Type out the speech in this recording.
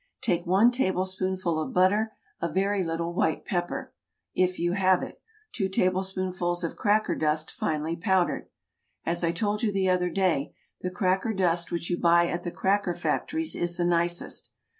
Take one tablespoonful of butter, a very little white pepper, if you have it, two tablespoonfuls of cracker dust finely powdered. As I told you the other day, the cracker dust which you buy at the cracker factories is the nicest.